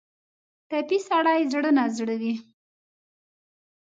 ټپي سړی زړه نا زړه وي.